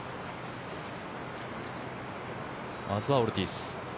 まずはオルティーズ。